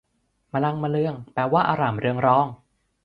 มลังเมลือง แปลว่า อร่ามเรืองรอง